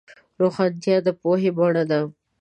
روښانتیا د پوهې بڼه ده.